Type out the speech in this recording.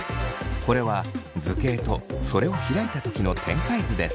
これは図形とそれを開いた時の展開図です。